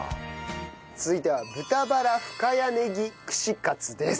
続いては豚バラ深谷ねぎ串カツです。